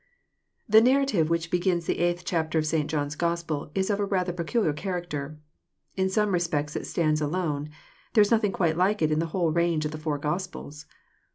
The narrative which begins the eighth chapter of St. John's Gospel is of a rather pecnliar character. In some respects it stands alone. There is nothing quite like it in the whole range of the four Gospels.